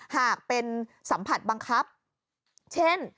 หากเป็นสัมผัสบังคับเช่น